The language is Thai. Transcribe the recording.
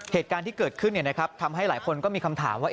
เหตุการณ์ที่เกิดขึ้นทำให้หลายคนก็มีคำถามว่า